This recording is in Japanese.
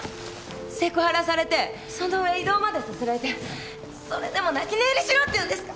セクハラされてその上異動までさせられてそれでも泣き寝入りしろって言うんですか！